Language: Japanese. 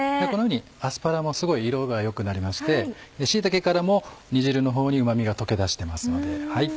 このようにアスパラもすごい色が良くなりまして椎茸からも煮汁のほうにうま味が溶け出してますので。